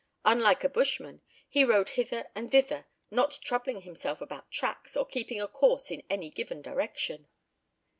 Unlike a bushman, he rode hither and thither, not troubling himself about tracks, or keeping a course in any given direction.